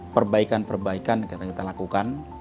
perbaikan perbaikan yang kita lakukan